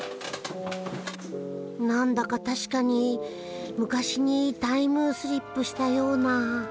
何だか確かに昔にタイムスリップしたような。